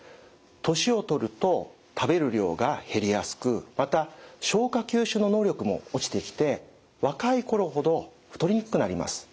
年を取ると食べる量が減りやすくまた消化吸収の能力も落ちてきて若い頃ほど太りにくくなります。